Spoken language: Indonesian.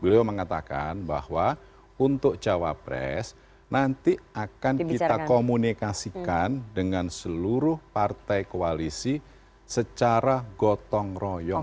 beliau mengatakan bahwa untuk cawapres nanti akan kita komunikasikan dengan seluruh partai koalisi secara gotong royong